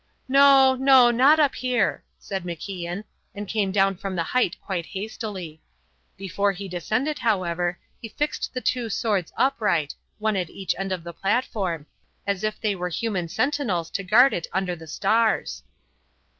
"No, no not up here," said MacIan, and came down from the height quite hastily. Before he descended, however, he fixed the two swords upright, one at each end of the platform, as if they were human sentinels to guard it under the stars.